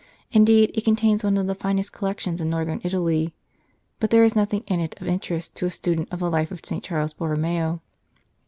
Indeed, it contains one of the finest collections in Northern Italy, but there is nothing in it of interest to a student of the life of St. Charles Borromeo.